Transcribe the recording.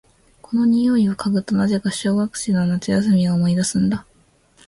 この匂いを嗅ぐと、なぜか小学生の夏休みを思い出すんだ。